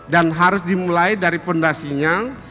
dan harus dimulai dari fondasinya